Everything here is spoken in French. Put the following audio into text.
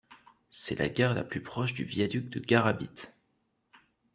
C'est la gare la plus proche du viaduc de Garabit.